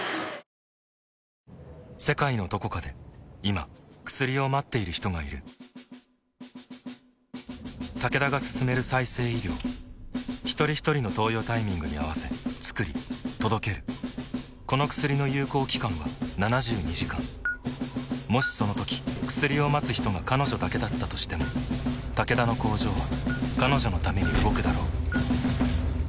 世界のどこかで今薬を待っている人がいるタケダが進める再生医療ひとりひとりの投与タイミングに合わせつくり届けるこの薬の有効期間は７２時間もしそのとき薬を待つ人が彼女だけだったとしてもタケダの工場は彼女のために動くだろう